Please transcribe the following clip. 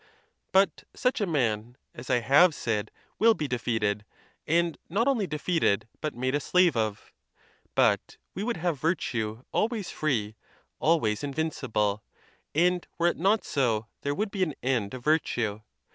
But such a man, as I have said, will be defeated; and not only defeated, but made a slave of, But we would have virtue always free, always invincible; and were it not so, there would be an end of virtue.